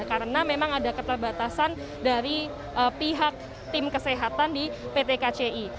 karena memang ada keterbatasan dari pihak tim kesehatan di pt kci